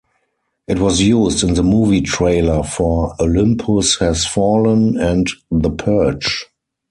It was used in the movie trailer for "Olympus Has Fallen" and "The Purge".